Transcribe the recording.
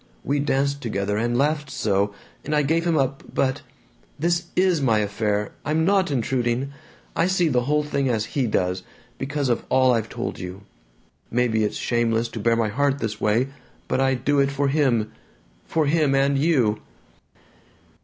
We danced together and laughed so, and I gave him up, but This IS my affair! I'm NOT intruding! I see the whole thing as he does, because of all I've told you. Maybe it's shameless to bare my heart this way, but I do it for him for him and you!"